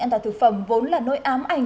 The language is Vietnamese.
ăn tạo thực phẩm vốn là nỗi ám ảnh